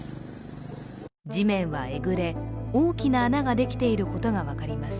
地面はえぐれ、大きな穴ができていることが分かります。